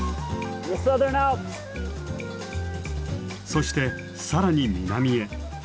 そして更に南へ。